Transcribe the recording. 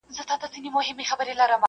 زه یې د قبر سر ته ناست یمه پیالې لټوم,